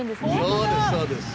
そうですそうです。